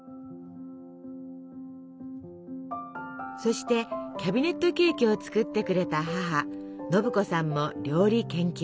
そしてキャビネットケーキを作ってくれた母信子さんも料理研究家。